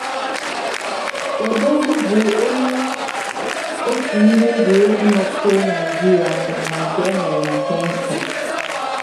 Odogwu bụ onye otu ndị egwuregwu nọchitere Naịjirịa anya na nke emere na Kingston.